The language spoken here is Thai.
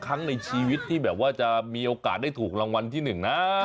ครั้งในชีวิตที่แบบว่าจะมีโอกาสได้ถูกรางวัลที่๑นะ